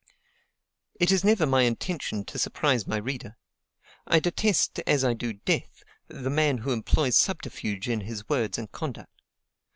It is never my intention to surprise my reader. I detest, as I do death, the man who employs subterfuge in his words and conduct.